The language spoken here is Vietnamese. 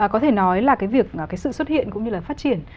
có thể nói là cái việc cái sự xuất hiện cũng như là phát triển